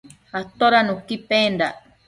Atoda nuqui pendac?